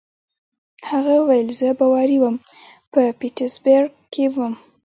هغه وویل: زه باوري وم، په پیټسبرګ کې ووم.